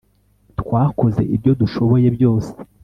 Twakoze ibyo dushoboye byose